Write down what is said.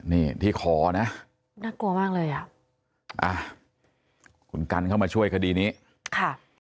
นี่ที่ขอนะน่ากลัวมากเลยอ่ะคุณกันเข้ามาช่วยคดีนี้ค่ะ